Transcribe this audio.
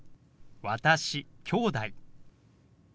「私」「きょうだい」。